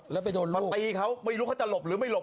แล้วไปโดนเรามาตีเขาไม่รู้เขาจะหลบหรือไม่หลบ